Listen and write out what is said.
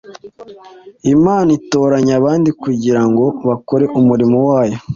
Imana itoranya abandi kugira ngo bakore umurimo wayo.